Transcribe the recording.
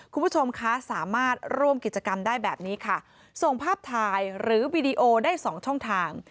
คุณผู้ชมคะสามารถร่วมกิจกรรมได้แบบนี้ค่ะส่งภาพถ่ายหรือวีดีโอได้สองช่องทาง